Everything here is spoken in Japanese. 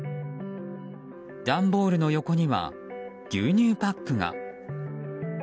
段ボールの横には牛乳パックが。